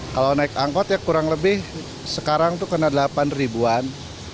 kalau naik angkot ya kurang lebih sekarang itu kena delapan ribuan